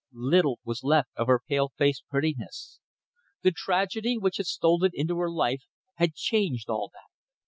Little was left of her pale faced prettiness. The tragedy which had stolen into her life had changed all that.